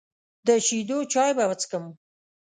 د شیدو چای به وڅښم.